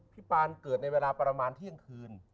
ปานเกิดในเวลาประมาณเที่ยงคืน